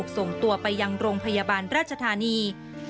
ส่งตัวไปยังโรงพยาบาลราชธานี